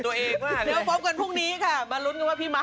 ต้มกูเลยดีไหม